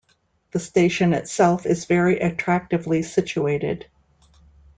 The station itself is very attractively situated.